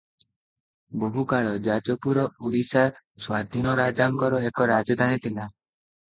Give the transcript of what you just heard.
ବହୁକାଳ ଯାଜପୁର ଓଡ଼ିଶା ସ୍ୱାଧୀନରାଜାଙ୍କର ଏକ ରାଜଧାନୀ ଥିଲା ।